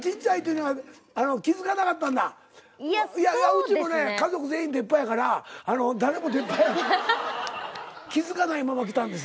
うちも家族全員出っ歯やから誰も出っ歯やって気付かないままきたんです。